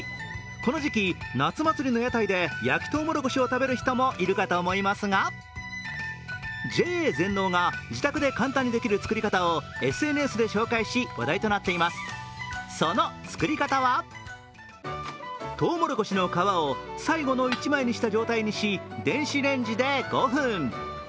この時期、夏祭りの屋台で焼きとうもろこしを食べる人もいるかと思いますが、ＪＡ全農が自宅で簡単にできる作り方をとうもろこしの皮を最後の１枚にした状態にし、電子レンジで５分。